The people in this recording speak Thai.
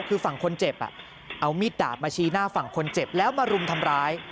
คือฝั่งคนเจ็บเอามีดดาบมาชี้หน้าฝั่งคนเจ็บแล้วมารุมทำร้าย